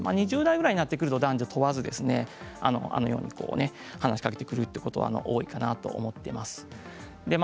２０代ぐらいになってくると男女問わず話しかけてくるということも多いかなと思っています。